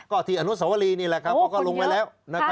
ก็ที่อนุสวรีนี่แหละครับเขาก็ลงไว้แล้ว